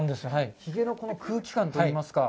ひげのこの空気感といいますか